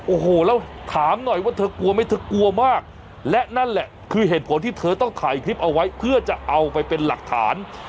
โอ้โหแล้วถามหน่อยว่าเธอกลัวไหมเธอกลัวมากและนั่นแหละคือเหตุผลที่เธอต้องถ่ายคลิปเอาไว้เพื่อจะเอาไปเป็นหลักฐาน